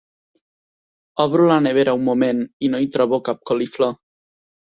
Obro la nevera un moment i no hi trobo cap coliflor.